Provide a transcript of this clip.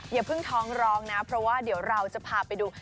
อย่าเพิ่งท้องร้องนะเพราะว่าเดี๋ยวเราจะพาไปดู